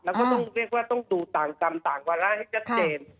แล้วก็ต้องเรียกว่าต้องดูต่างกรรมต่างวาระให้ชัดเจน